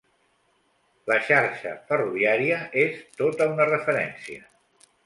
La xarxa ferroviària és tota una referència.